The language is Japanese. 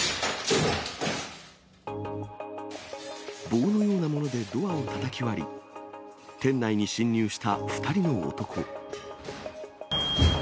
棒のようなものでドアをたたき割り、店内に侵入した２人の男。